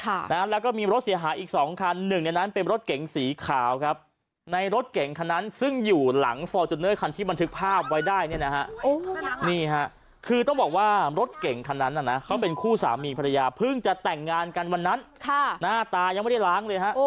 ค่ะนะฮะแล้วก็มีรถเสียหาอีกสองคันหนึ่งในนั้นเป็นรถเก๋งสีขาวครับ